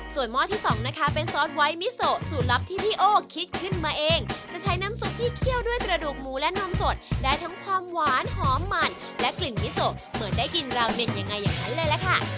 ส่วนหม้อที่สองนะคะเป็นซอสไว้มิโซสูตรลับที่พี่โอ้คิดขึ้นมาเองจะใช้น้ำซุปที่เคี่ยวด้วยกระดูกหมูและนมสดได้ทั้งความหวานหอมมันและกลิ่นมิโซเหมือนได้กินราเมนยังไงอย่างนั้นเลยล่ะค่ะ